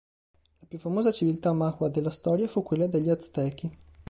La più famosa civiltà nahua della storia fu quella degli Aztechi.